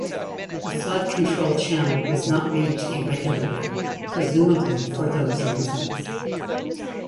The flood control channel was not maintained regularly, presumably for those reasons.